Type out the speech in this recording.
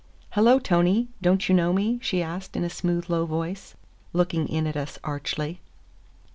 "Hello, Tony. Don't you know me?" she asked in a smooth, low voice, looking in at us archly.